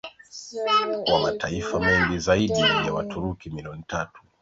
wa mataifa mengine Zaidi ya Waturuki milioni tatu